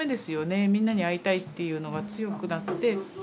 みんなに会いたいっていうのが強くなって。